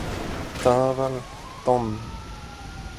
teñval, tan